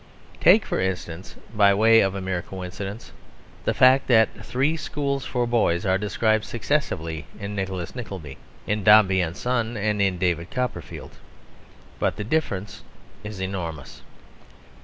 Take, for instance, by way of a mere coincidence, the fact that three schools for boys are described successively in Nicholas Nickleby, in Dombey and Son, and in David Copperfield. But the difference is enormous.